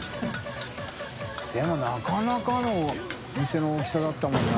任なかなかの店の大きさだったもんな。